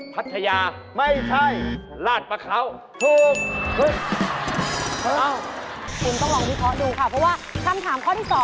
เพราะว่าคำถามข้อต้นที่๒